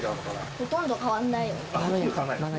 ほとんど変わらないよね。